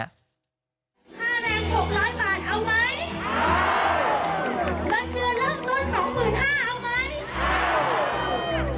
๕แรง๖ล้านบาทเอาไหม